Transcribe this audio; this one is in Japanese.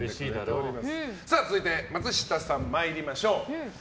続いて、松下さん参りましょう。